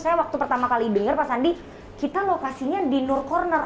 saya waktu pertama kali dengar pak sandi kita lokasinya di nur corner